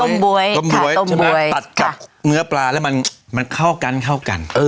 ต้มบ๊วยต้มยตัดกับเนื้อปลาแล้วมันเข้ากันเข้ากัน